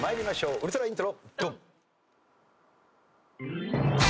ウルトライントロ。